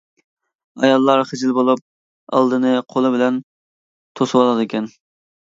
ئاياللار خىجىل بولۇپ، ئالدىنى قولى بىلەن توسۇۋالىدىكەن.